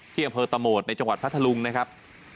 ที่อำเภอตะโหมดในจังหวัดพัทธลุงนะครับ